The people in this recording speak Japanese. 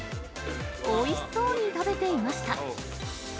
おいしそうに食べていました。